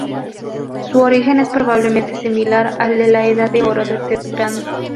Su origen es probablemente similar al de la edad de oro de Ted Grant.